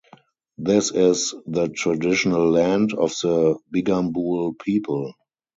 This is the traditional land of the Bigambul people.